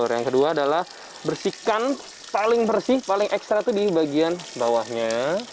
yang kedua adalah bersihkan paling bersih paling ekstra itu di bagian bawahnya